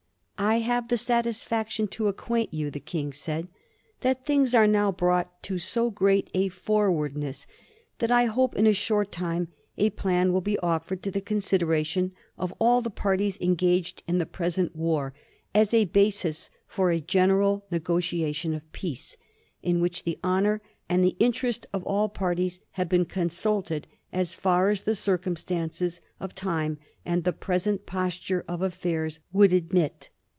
'^ I have the sat isfaction to acquaint you," the King said, ^'that things arc now brought to so great a forwardness that I hope in a short time a plan will be offered to the consideration of all the parties engaged in the present war, as a basis for a general negotiation of peace, in which the honor and the interest of all parties have been consulted as far as the circumstances of time and the present posture of affairs would admit."